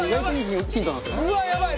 うわやばい！